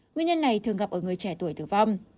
nguyên nhân này thường gặp ở người trẻ tuổi tử vong